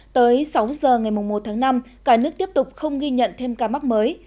tới sáu giờ ngày một tháng năm cả nước tiếp tục không ghi nhận thêm ca mắc mới